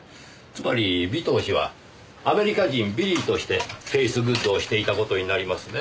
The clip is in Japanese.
つまり尾藤氏はアメリカ人ビリーとしてフェイスグッドをしていた事になりますねぇ。